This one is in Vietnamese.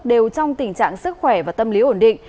đều trong tình trạng sức khỏe và tâm lý ổn định